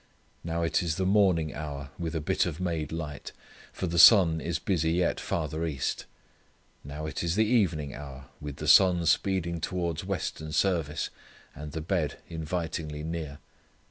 Now it is the morning hour with a bit of made light, for the sun is busy yet farther east. Now it is the evening hour, with the sun speeding towards western service, and the bed invitingly near.